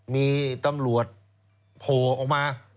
มีตำรวจโผล่ออกมา